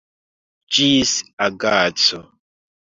Ĝis agaco.